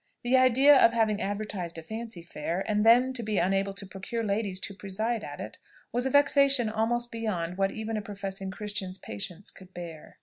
The idea of having advertised a Fancy Fair, and then to be unable to procure ladies to preside at it, was a vexation almost beyond what even a professing Christian's patience could bear.